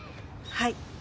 はい。